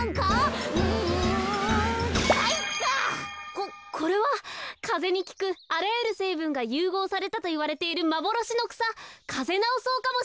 ここれはかぜにきくあらゆるせいぶんがゆうごうされたといわれているまぼろしのくさカゼナオソウかもしれません。